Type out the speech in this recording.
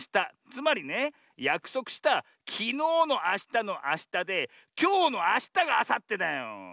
つまりねやくそくしたきのうのあしたのあしたできょうのあしたがあさってだよ。